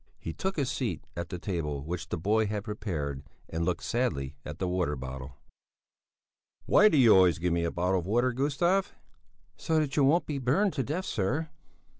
He took his seat at the table which the boy had prepared and looked sadly at the water bottle. "Why do you always give me a bottle of water, Gustav?" "So that you won't be burned to death, sir."